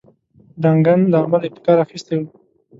ډنکن د عمل ابتکار اخیستی وو.